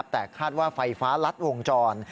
แต่คาดว่าไฟฟ้ารัดวงจร